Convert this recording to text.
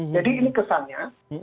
jadi ini kesannya